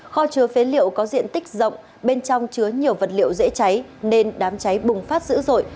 kho chứa phế liệu có diện tích rộng bên trong chứa nhiều vật liệu dễ cháy nên đám cháy bùng phát dữ dội